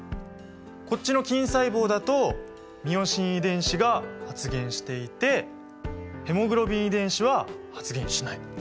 こっちの筋細胞だとミオシン遺伝子が発現していてヘモグロビン遺伝子は発現しない。